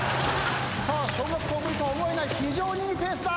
小学校ぶりとは思えない非常にいいペースだ。